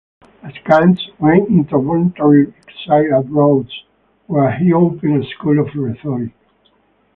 Aeschines went into voluntary exile at Rhodes, where he opened a school of rhetoric.